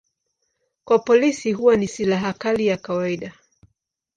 Kwa polisi huwa ni silaha kali ya kawaida.